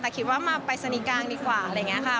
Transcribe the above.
แต่คิดว่ามาปรายศนีย์กลางดีกว่าอะไรอย่างนี้ค่ะ